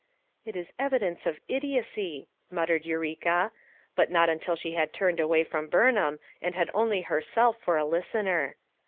"It is evidence of idiocy," muttered Eureka* But not until she had turned away from Burn ham and had only herself for a listener.